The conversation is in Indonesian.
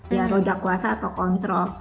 ya roda kuasa atau kontrol